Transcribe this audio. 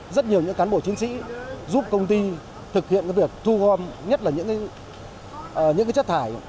rất nhiều những cán bộ chiến sĩ giúp công ty thực hiện việc thu gom nhất là những chất thải